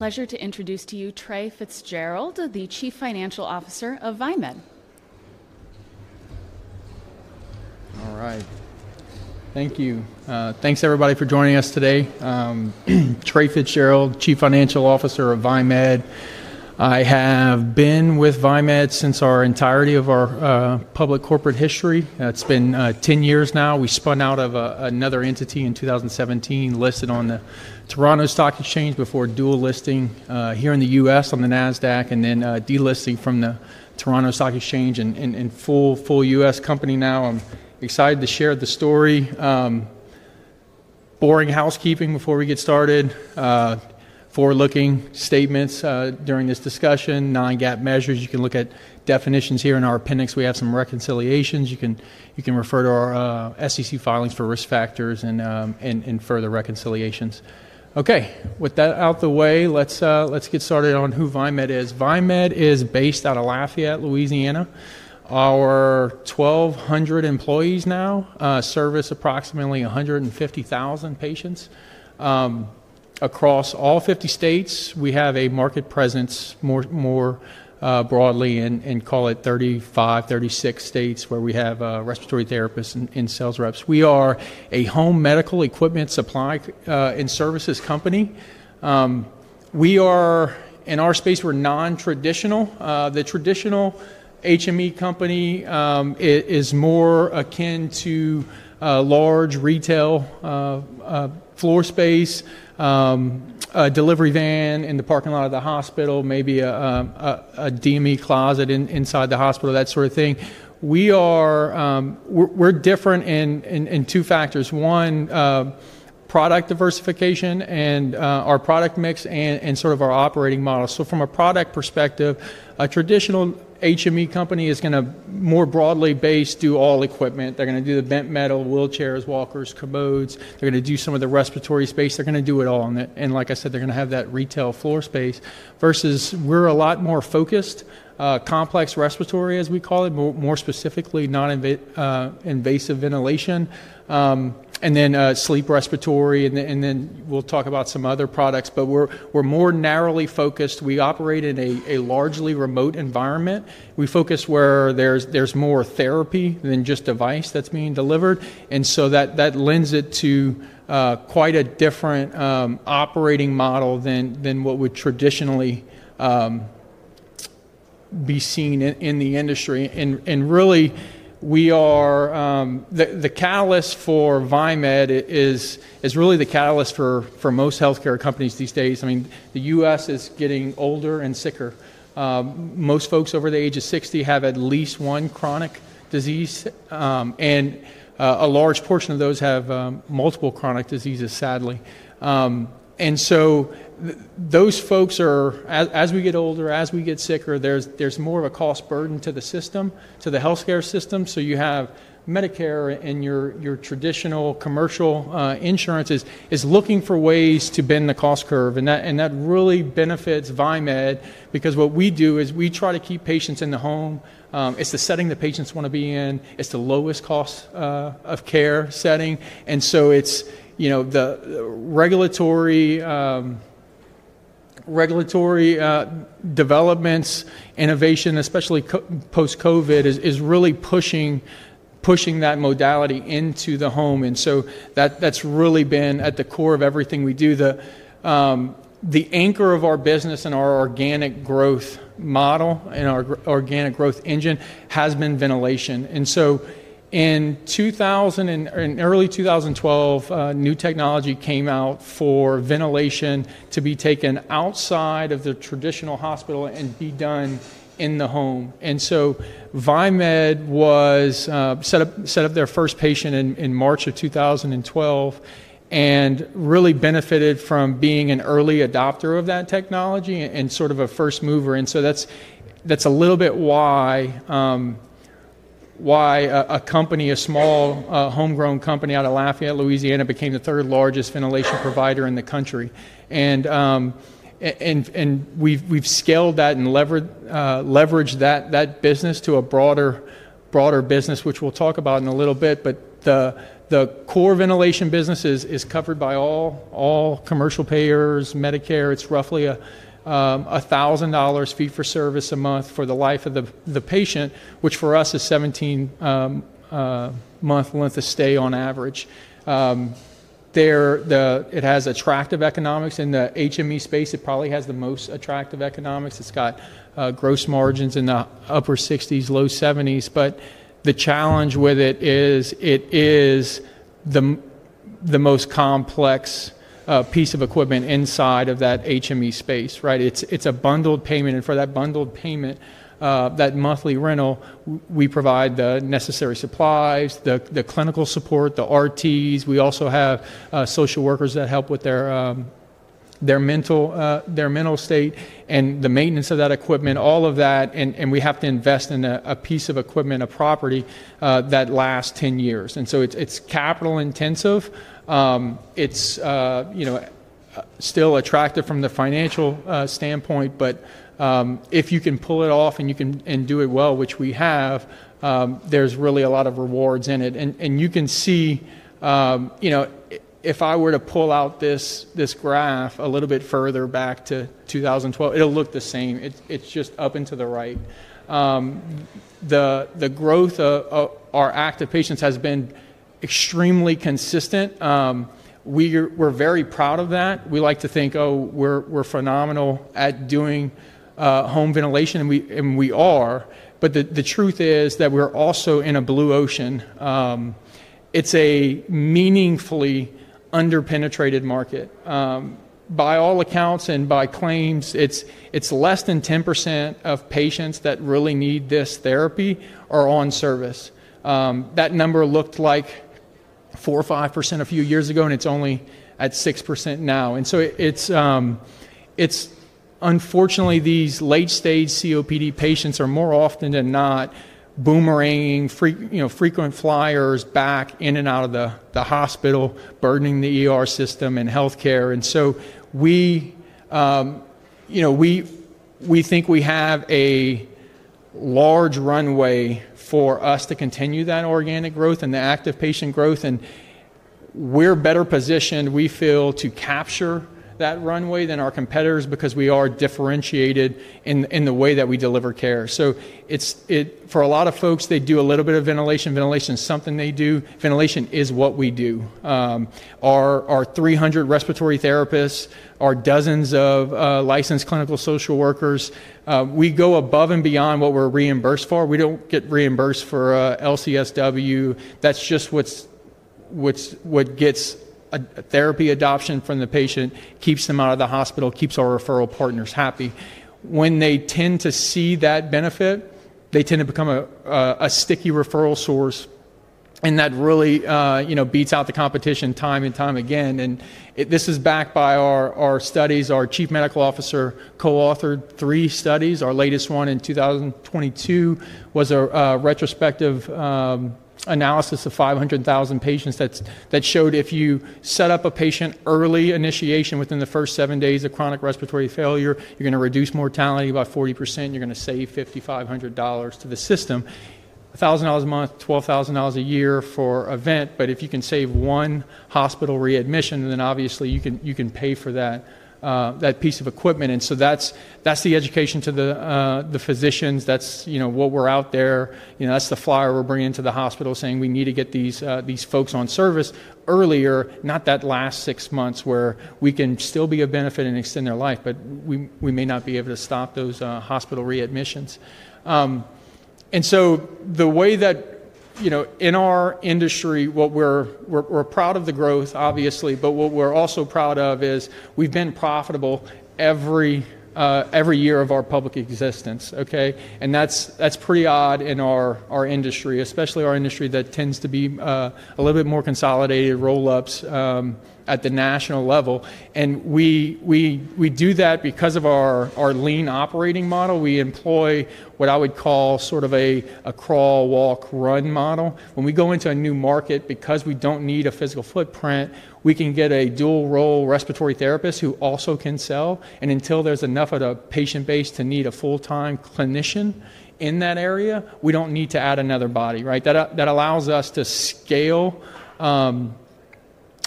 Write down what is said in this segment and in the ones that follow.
Pleasure to introduce to you Trae Fitzgerald, the Chief Financial Officer of Viemed Healthcare. All right. Thank you. Thanks, everybody, for joining us today. Trae Fitzgerald, Chief Financial Officer of Viemed. I have been with Viemed since the entirety of our public corporate history. It's been 10 years now. We spun out of another entity in 2017, listed on the Toronto Stock Exchange before dual listing here in the U.S. on the NASDAQ, and then delisting from the Toronto Stock Exchange and full U.S. company now. I'm excited to share the story. Boring housekeeping before we get started. Forward-looking statements during this discussion. Non-GAAP measures, you can look at definitions here in our appendix. We have some reconciliations. You can refer to our SEC filings for risk factors and further reconciliations. Okay. With that out of the way, let's get started on who Viemed is. Viemed is based out of Lafayette, Louisiana. Our 1,200 employees now service approximately 150,000 patients across all 50 states. We have a market presence more broadly in, call it, 35, 36 states where we have respiratory therapists and sales reps. We are a home medical equipment supply and services company. In our space, we're non-traditional. The traditional HME company is more akin to a large retail floor space, a delivery van in the parking lot of the hospital, maybe a DME closet inside the hospital, that sort of thing. We're different in two factors: one, product diversification and our product mix and sort of our operating model. From a product perspective, a traditional HME company is going to more broadly base do all equipment. They're going to do the bent metal, wheelchairs, walkers, commodes. They're going to do some of the respiratory space. They're going to do it all. Like I said, they're going to have that retail floor space versus we're a lot more focused, complex respiratory, as we call it, more specifically non-invasive ventilation, and then sleep respiratory. We'll talk about some other products. We're more narrowly focused. We operate in a largely remote environment. We focus where there's more therapy than just device that's being delivered. That lends it to quite a different operating model than what would traditionally be seen in the industry. Really, the catalyst for Viemed is really the catalyst for most healthcare companies these days. The U.S. is getting older and sicker. Most folks over the age of 60 have at least one chronic disease, and a large portion of those have multiple chronic diseases, sadly. Those folks are, as we get older, as we get sicker, there's more of a cost burden to the system, to the healthcare system. You have Medicare and your traditional commercial insurances looking for ways to bend the cost curve. That really benefits Viemed Healthcare because what we do is we try to keep patients in the home. It's the setting the patients want to be in. It's the lowest cost of care setting. The regulatory developments, innovation, especially post-COVID, are really pushing that modality into the home. That's really been at the core of everything we do. The anchor of our business and our organic growth model and our organic growth engine has been ventilation. In early 2012, new technology came out for ventilation to be taken outside of the traditional hospital and be done in the home. Viemed Healthcare set up their first patient in March of 2012 and really benefited from being an early adopter of that technology and sort of a first mover. That's a little bit why a company, a small homegrown company out of Lafayette, Louisiana, became the third largest ventilation provider in the country. We've scaled that and leveraged that business to a broader business, which we'll talk about in a little bit. The core ventilation business is covered by all commercial payers, Medicare. It's roughly $1,000 fee for service a month for the life of the patient, which for us is a 17-month length of stay on average. It has attractive economics. In the HME space, it probably has the most attractive economics. It's got gross margins in the upper 60s, low 70s. The challenge with it is it is the most complex piece of equipment inside of that HME space. It's a bundled payment. For that bundled payment, that monthly rental, we provide the necessary supplies, the clinical support, the respiratory therapists. We also have clinical social workers that help with their mental state and the maintenance of that equipment, all of that. We have to invest in a piece of equipment, a property that lasts 10 years. It's capital intensive. It's still attractive from the financial standpoint. If you can pull it off and do it well, which we have, there's really a lot of rewards in it. You can see, if I were to pull out this graph a little bit further back to 2012, it'll look the same. It's just up and to the right. The growth of our active patients has been extremely consistent. We're very proud of that. We like to think, oh, we're phenomenal at doing home ventilation, and we are. The truth is that we're also in a blue ocean. It's a meaningfully underpenetrated market. By all accounts and by claims, it's less than 10% of patients that really need this therapy are on service. That number looked like 4% or 5% a few years ago, and it's only at 6% now. Unfortunately, these late-stage COPD patients are more often than not boomeranging frequent flyers back in and out of the hospital, burning the system and healthcare. We think we have a large runway for us to continue that organic growth and the active patient growth. We're better positioned, we feel, to capture that runway than our competitors because we are differentiated in the way that we deliver care. For a lot of folks, they do a little bit of ventilation. Ventilation is something they do. Ventilation is what we do. Our 300 respiratory therapists, our dozens of licensed clinical social workers, we go above and beyond what we're reimbursed for. We don't get reimbursed for LCSW. That's just what gets therapy adoption from the patient, keeps them out of the hospital, keeps our referral partners happy. When they tend to see that benefit, they tend to become a sticky referral source. That really beats out the competition time and time again. This is backed by our studies. Our Chief Medical Officer co-authored three studies. Our latest one in 2022 was a retrospective analysis of 500,000 patients that showed if you set up a patient early initiation within the first seven days of chronic respiratory failure, you're going to reduce mortality by 40%. You're going to save $5,500 to the system. $1,000 a month, $12,000 a year for a vent. If you can save one hospital readmission, then obviously you can pay for that piece of equipment. That's the education to the physicians. That's what we're out there. That's the flyer we're bringing to the hospital saying we need to get these folks on service earlier, not that last six months where we can still be of benefit and extend their life. We may not be able to stop those hospital readmissions. The way that in our industry, we're proud of the growth, obviously. What we're also proud of is we've been profitable every year of our public existence. That's pretty odd in our industry, especially our industry that tends to be a little bit more consolidated roll-ups at the national level. We do that because of our lean operating model. We employ what I would call sort of a crawl, walk, run model. When we go into a new market, because we don't need a physical footprint, we can get a dual role respiratory therapist who also can sell. Until there's enough of a patient base to need a full-time clinician in that area, we don't need to add another body. That allows us to scale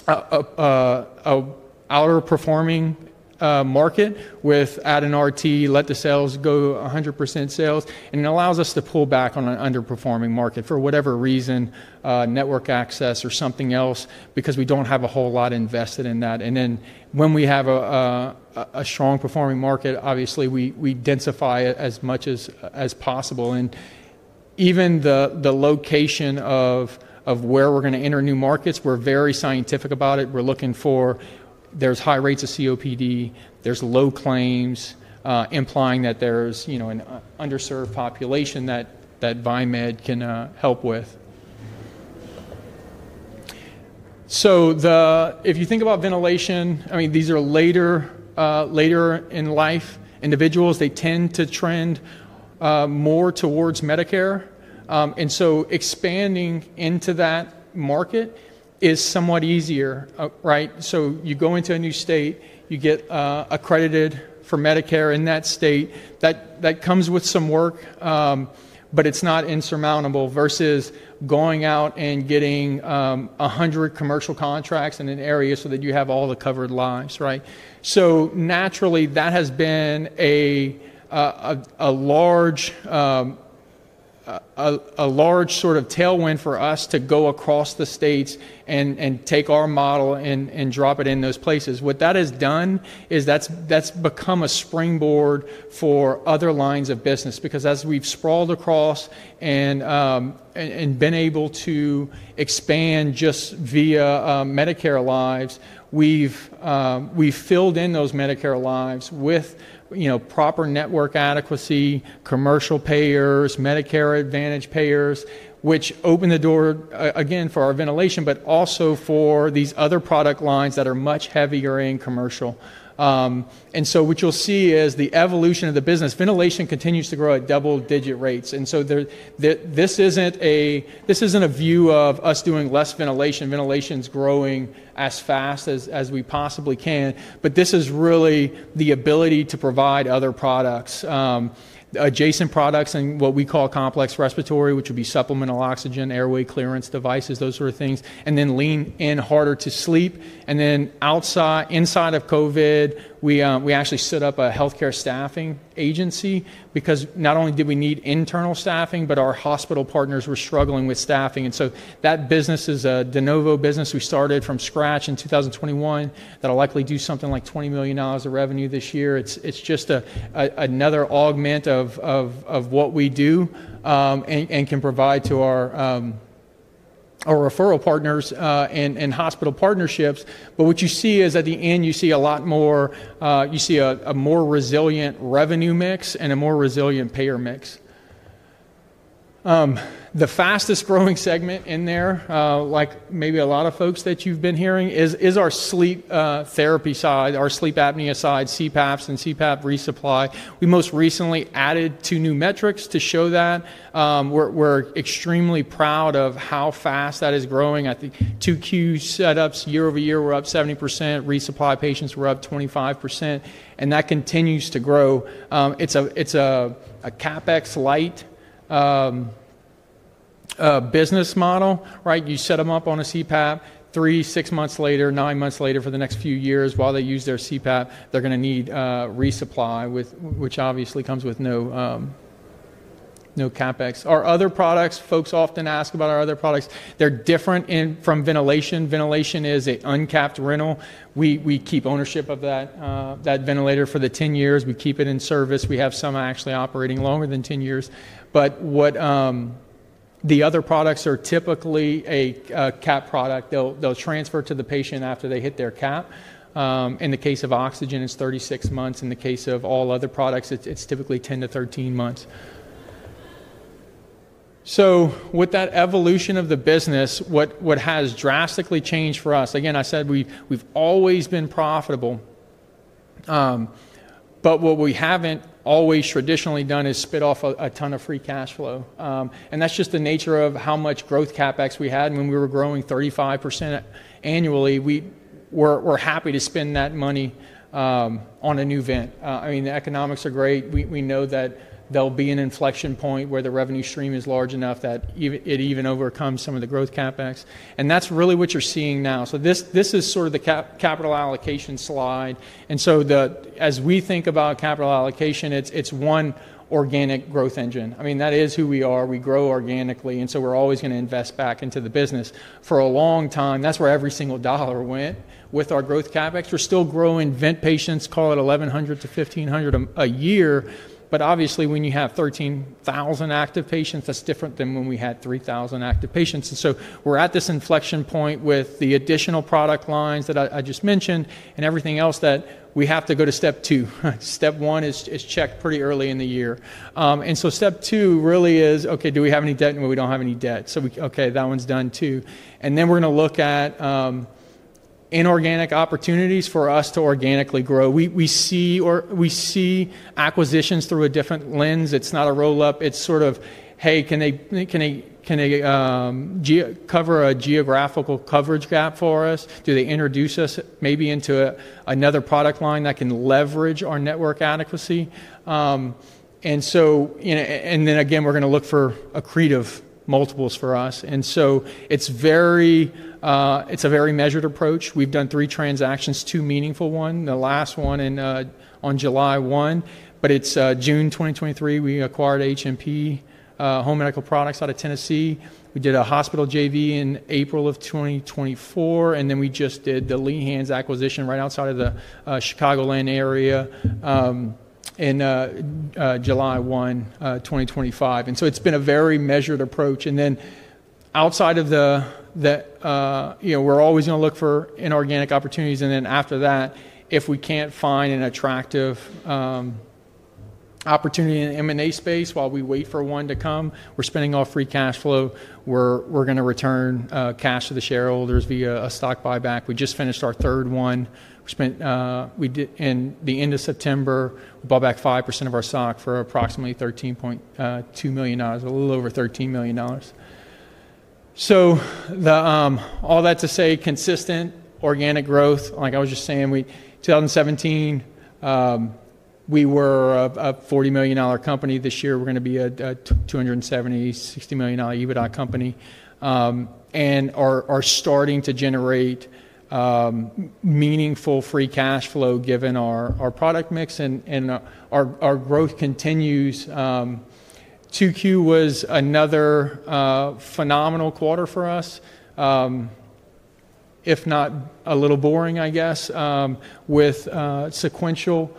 an outperforming market with add an RT, let the sales go 100% sales. It allows us to pull back on an underperforming market for whatever reason, network access or something else, because we don't have a whole lot invested in that. When we have a strong performing market, obviously we densify it as much as possible. Even the location of where we're going to enter new markets, we're very scientific about it. We're looking for where there's high rates of COPD, there's low claims, implying that there's an underserved population that Viemed Healthcare can help with. If you think about ventilation, these are later-in-life individuals. They tend to trend more towards Medicare, and expanding into that market is somewhat easier. You go into a new state, you get accredited for Medicare in that state. That comes with some work, but it's not insurmountable versus going out and getting 100 commercial contracts in an area so that you have all the covered lives. Naturally, that has been a large sort of tailwind for us to go across the states and take our model and drop it in those places. What that has done is that's become a springboard for other lines of business. As we've sprawled across and been able to expand just via Medicare lives, we've filled in those Medicare lives with proper network adequacy, commercial payers, Medicare Advantage payers, which open the door again for our ventilation, but also for these other product lines that are much heavier in commercial. What you'll see is the evolution of the business. Ventilation continues to grow at double-digit rates. This isn't a view of us doing less ventilation. Ventilation is growing as fast as we possibly can. This is really the ability to provide other products, adjacent products, and what we call complex respiratory, which would be supplemental oxygen, airway clearance devices, those sort of things, and then lean in harder to sleep. Inside of COVID, we actually set up a healthcare staffing agency because not only did we need internal staffing, but our hospital partners were struggling with staffing. That business is a de novo business. We started from scratch in 2021 that will likely do something like $20 million of revenue this year. It's just another augment of what we do and can provide to our referral partners and hospital partnerships. What you see is at the end, you see a more resilient revenue mix and a more resilient payer mix. The fastest growing segment in there, like maybe a lot of folks that you've been hearing, is our sleep therapy side, our sleep apnea side, CPAPs and CPAP resupply. We most recently added two new metrics to show that. We're extremely proud of how fast that is growing. I think 2Q setups year over year were up 70%. Resupply patients were up 25%. That continues to grow. It's a CapEx-light business model. You set them up on a CPAP. Three, six months later, nine months later for the next few years, while they use their CPAP, they're going to need resupply, which obviously comes with no CapEx. Our other products, folks often ask about our other products. They're different from ventilation. Ventilation is an uncapped rental. We keep ownership of that ventilator for the 10 years. We keep it in service. We have some actually operating longer than 10 years. The other products are typically a capped product. They'll transfer to the patient after they hit their cap. In the case of oxygen, it's 36 months. In the case of all other products, it's typically 10-13 months. With that evolution of the business, what has drastically changed for us? Again, I said we've always been profitable. What we haven't always traditionally done is spit off a ton of free cash flow. That's just the nature of how much growth CapEx we had. When we were growing 35% annually, we were happy to spend that money on a new vent. I mean, the economics are great. We know that there'll be an inflection point where the revenue stream is large enough that it even overcomes some of the growth CapEx. That's really what you're seeing now. This is sort of the capital allocation slide. As we think about capital allocation, it's one organic growth engine. That is who we are. We grow organically. We're always going to invest back into the business. For a long time, that's where every single dollar went with our growth CapEx. We're still growing vent patients, call it 1,100 to 1,500 a year. Obviously, when you have 13,000 active patients, that's different than when we had 3,000 active patients. We're at this inflection point with the additional product lines that I just mentioned and everything else that we have to go to step two. Step one is checked pretty early in the year. Step two really is, okay, do we have any debt? No, we don't have any debt. Okay, that one's done too. We're going to look at inorganic opportunities for us to organically grow. We see acquisitions through a different lens. It's not a roll-up. It's sort of, hey, can they cover a geographical coverage gap for us? Do they introduce us maybe into another product line that can leverage our network adequacy? We're going to look for accretive multiples for us. It's a very measured approach. We've done three transactions, two meaningful ones, the last one on July 1. In June 2023, we acquired H&P Home Medical Products out of Tennessee. We did a hospital JV in April of 2024. We just did the Lehan's acquisition right outside of the Chicagoland area on July 1, 2025. It's been a very measured approach. Outside of that, we're always going to look for inorganic opportunities. After that, if we can't find an attractive opportunity in the M&A space while we wait for one to come, we're spending off free cash flow. We're going to return cash to the shareholders via a stock buyback. We just finished our third one. We spent, in the end of September, we bought back 5% of our stock for approximately $13.2 million, a little over $13 million. All that to say, consistent organic growth. Like I was just saying, in 2017, we were a $40 million company. This year, we're going to be a $270 million, $60 million EBITDA company and are starting to generate meaningful free cash flow given our product mix. Our growth continues. 2Q was another phenomenal quarter for us, if not a little boring, I guess, with sequential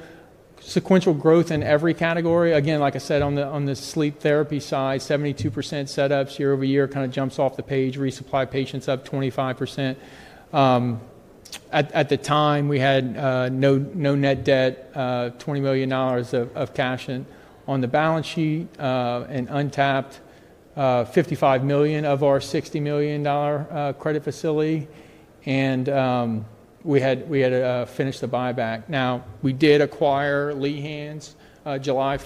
growth in every category. Like I said, on the sleep therapy side, 72% setups year over year kind of jumps off the page. Resupply patients up 25%. At the time, we had no net debt, $20 million of cash on the balance sheet, and untapped $55 million of our $60 million credit facility. We had finished the buyback. We did acquire Lehan's July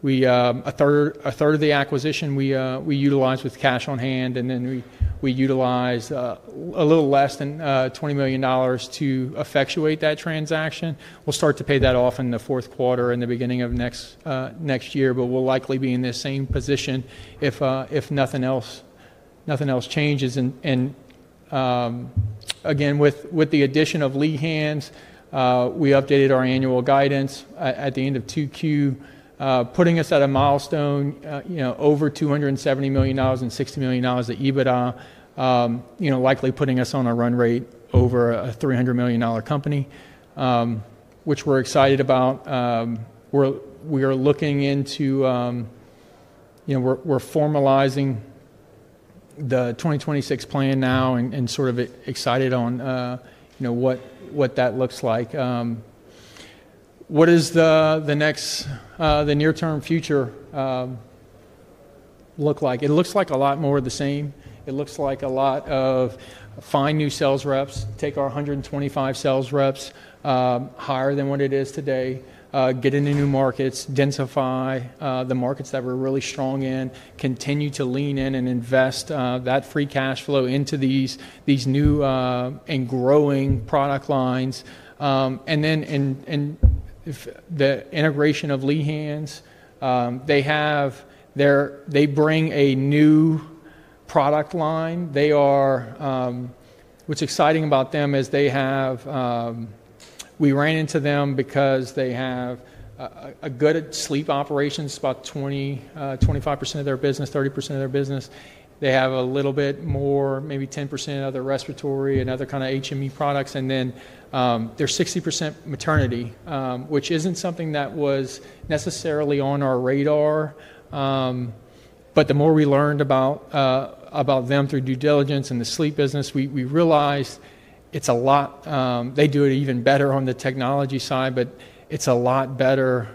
1. A third of the acquisition we utilized with cash on hand. We utilized a little less than $20 million to effectuate that transaction. We'll start to pay that off in the fourth quarter and the beginning of next year. We'll likely be in the same position if nothing else changes. With the addition of Lehan's, we updated our annual guidance at the end of 2Q, putting us at a milestone, over $270 million and $60 million of EBITDA, likely putting us on a run rate over a $300 million company, which we're excited about. We are formalizing the 2026 plan now and sort of excited on what that looks like. What does the near-term future look like? It looks like a lot more of the same. It looks like a lot of finding new sales reps, taking our 125 sales reps higher than what it is today, getting into new markets, densifying the markets that we're really strong in, continuing to lean in and invest that free cash flow into these new and growing product lines. The integration of Lehan's brings a new product line. What's exciting about them is we ran into them because they have a good sleep operation, about 25% of their business, 30% of their business. They have a little bit more, maybe 10% of their respiratory and other kind of home medical equipment products. They're 60% maternity, which isn't something that was necessarily on our radar. The more we learned about them through due diligence and the sleep business, we realized they do it even better on the technology side. It's a lot better.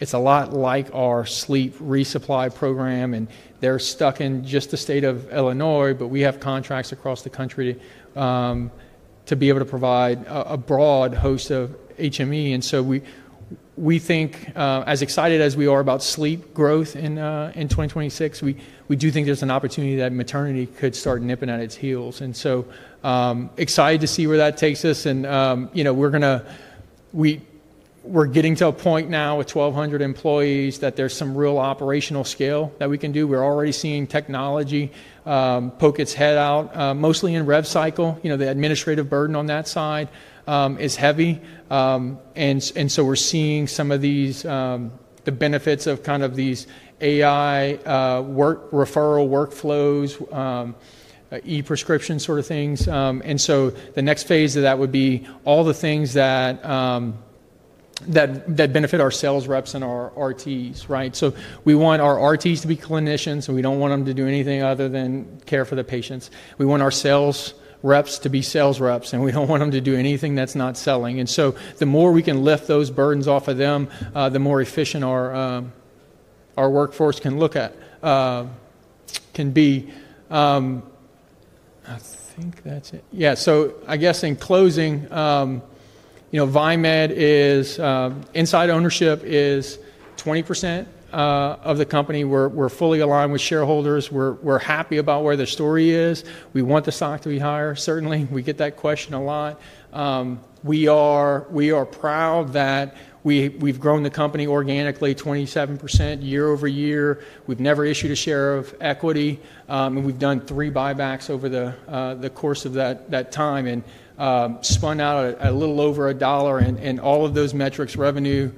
It's a lot like our sleep resupply program. They're stuck in just the state of Illinois, but we have contracts across the country to be able to provide a broad host of home medical equipment. We think, as excited as we are about sleep growth in 2026, there is an opportunity that maternity could start nipping at its heels. Excited to see where that takes us. We're getting to a point now with 1,200 employees that there's some real operational scale that we can do. We're already seeing technology poke its head out, mostly in rev cycle. The administrative burden on that side is heavy. We're seeing some of the benefits of these AI referral workflows, e-prescription sort of things. The next phase of that would be all the things that benefit our sales reps and our respiratory therapists. We want our respiratory therapists to be clinicians, and we don't want them to do anything other than care for the patients. We want our sales reps to be sales reps, and we don't want them to do anything that's not selling. The more we can lift those burdens off of them, the more efficient our workforce can be. I think that's it. In closing, inside ownership is 20% of the company. We're fully aligned with shareholders. We're happy about where the story is. We want the stock to be higher, certainly. We get that question a lot. We are proud that we've grown the company organically 27% year-over-year. We've never issued a share of equity. We've done three buybacks over the course of that time and spun out a little over $1. All of those metrics, revenue,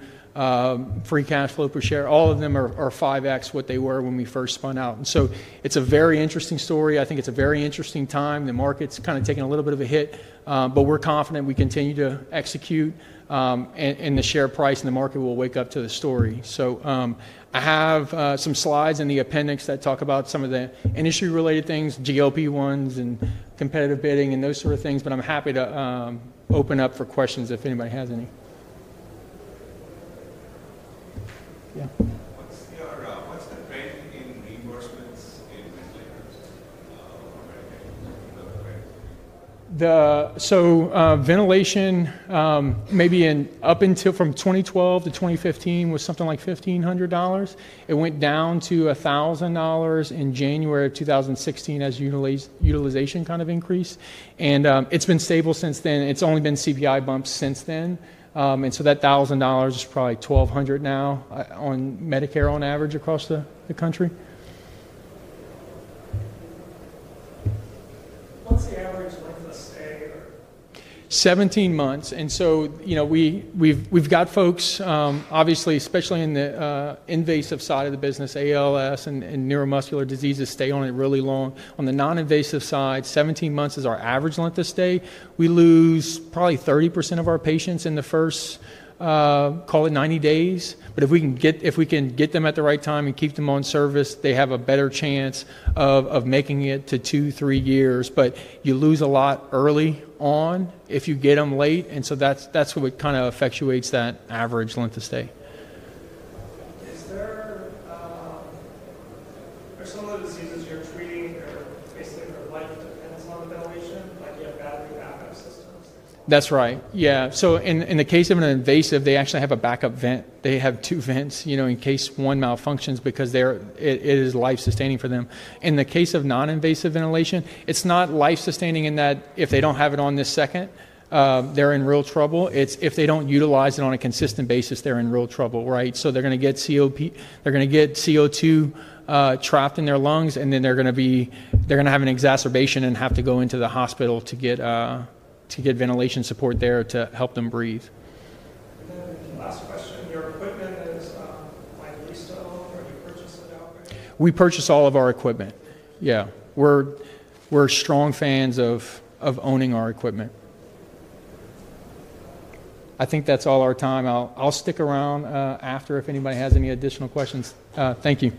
free cash flow per share, all of them are 5x what they were when we first spun out. It's a very interesting story. I think it's a very interesting time. The market's kind of taken a little bit of a hit. We're confident we continue to execute, and the share price and the market will wake up to the story. I have some slides in the appendix that talk about some of the industry-related things, GOP ones and competitive bidding and those sort of things. I'm happy to open up for questions if anybody has any. Yeah. What's the rate in reimbursements in non-invasive ventilators compared to other brands? Ventilation maybe up until from 2012 to 2015 was something like $1,500. It went down to $1,000 in January of 2016 as utilization kind of increased. It's been stable since then. It's only been CPI bumps since then. That $1,000 is probably $1,200 now on Medicare on average across the country. What's the average length of stay? Seventeen months. We've got folks, obviously, especially in the invasive side of the business, ALS and neuromuscular diseases stay on it really long. On the non-invasive side, seventeen months is our average length of stay. We lose probably 30% of our patients in the first, call it, ninety days. If we can get them at the right time and keep them on service, they have a better chance of making it to two, three years. You lose a lot early on if you get them late. That's what kind of effectuates that average length of stay. Are some of the diseases you're treating or basically their life depends on the ventilation? Like you have battery backup systems. That's right. Yeah. In the case of an invasive, they actually have a backup vent. They have two vents in case one malfunctions because it is life-sustaining for them. In the case of non-invasive ventilation, it's not life-sustaining in that if they don't have it on the second, they're in real trouble. It's if they don't utilize it on a consistent basis, they're in real trouble. They're going to get CO2 trapped in their lungs, and then they're going to have an exacerbation and have to go into the hospital to get ventilation support there to help them breathe. Is your equipment leased at all, or do you purchase it outright? We purchase all of our equipment. We're strong fans of owning our equipment. I think that's all our time. I'll stick around after if anybody has any additional questions. Thank you.